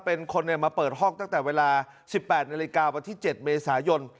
เป็นคนมาเปิดห้องตั้งแต่เวลา๑๘นาฬิกาวันที่๗เมษายน